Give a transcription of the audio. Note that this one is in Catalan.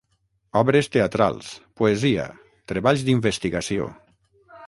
Obres teatrals, poesia, treballs d'investigació.